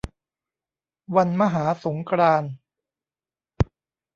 วันมหาสงกรานต์